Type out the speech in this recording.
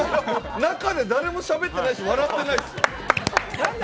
中で誰もしゃべってないし笑ってないし。